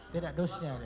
tidak dosnya dia bongkar